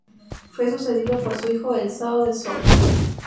Fue sucedido por su hijo, el Zhao de Zhou.